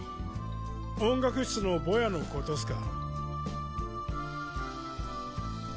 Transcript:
音楽室のボヤの事っスか？